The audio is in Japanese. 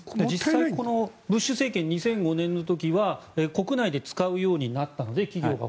ブッシュ政権でやった時は２００５年の時は国内で使うようになったので、企業が